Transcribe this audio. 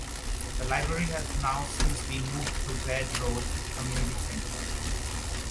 The library has now since been moved to Baird Road Community Center.